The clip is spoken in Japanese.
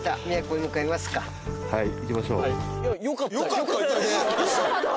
はい行きましょう。